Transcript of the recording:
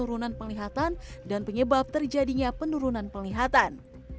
penurunan penglihatan dan penyebab terjadinya penurunan penglihatan